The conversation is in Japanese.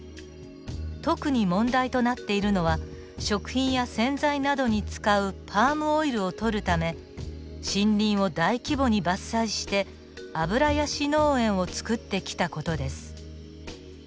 特に問題となっているのは食品や洗剤などに使うパームオイルをとるため森林を大規模に伐採して油ヤシ農園を造ってきた事です。